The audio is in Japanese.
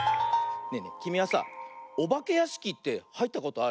ねえねえきみはさあおばけやしきってはいったことある？